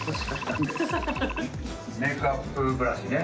メイクアップブラシね。